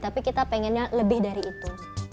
tapi kita pengennya lebih dari itu